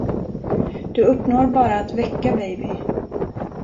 Du uppnår bara att väcka Baby.